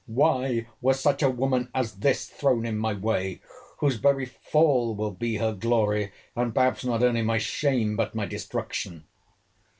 "Why was such a woman as this thrown into my way, whose very fall will be her glory, and, perhaps, not only my shame but my destruction?